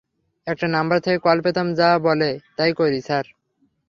একটা নাম্বার থেকে কল পেতাম, যা বলে, তাই করি, স্যার।